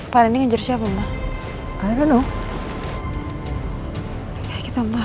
pak reni ngejar siapa ma